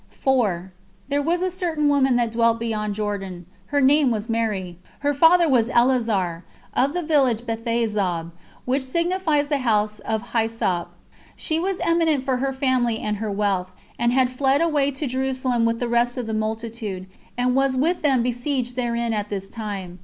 4. There was a certain woman that dwelt beyond Jordan, her name was Mary; her father was Eleazar, of the village Bethezob, which signifies the house of Hyssop. She was eminent for her family and her wealth, and had fled away to Jerusalem with the rest of the multitude, and was with them besieged therein at this time.